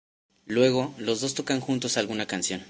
Luego, los dos tocan juntos alguna canción.